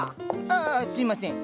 ああすいません。